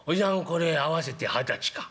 これ合わせて二十歳か」。